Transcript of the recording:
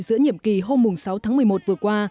giữa nhiệm kỳ hôm sáu tháng một mươi một vừa qua